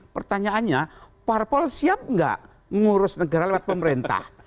pertanyaannya parpol siap nggak ngurus negara lewat pemerintah